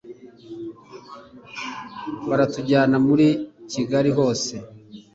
baratujyana muri kigali hose